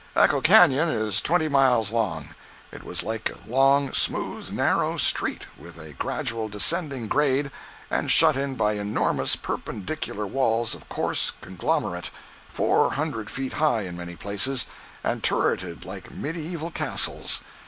Echo Canyon is twenty miles long. It was like a long, smooth, narrow street, with a gradual descending grade, and shut in by enormous perpendicular walls of coarse conglomerate, four hundred feet high in many places, and turreted like mediaeval castles.